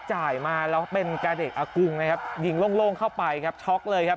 จ่ายมาแล้วเป็นกาเดชอากุงนะครับยิงโล่งเข้าไปครับช็อกเลยครับ